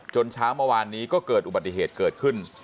เช้าเมื่อวานนี้ก็เกิดอุบัติเหตุเกิดขึ้น